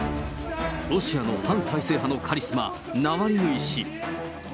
ロシアの反体制派のカリスマ、ナワリヌイ氏。